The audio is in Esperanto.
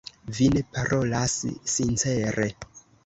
Vi ne parolas sincere.